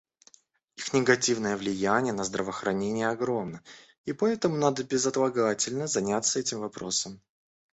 Их негативное влияние на здравоохранение огромно, и поэтому надо безотлагательно заняться этим вопросом.